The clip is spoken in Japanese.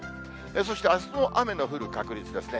そしてあすの雨の降る確率ですね。